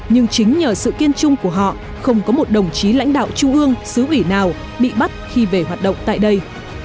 nhưng chính nhờ sự kiên trung của họ không có một đồng chí lãnh đạo trung ương xứ ủy nào bị bắt khi về hoạt động tại đây